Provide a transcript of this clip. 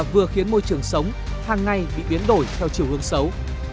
vừa khiến môi trường sống hàng ngày bị biến đổi theo chiều hướng xấu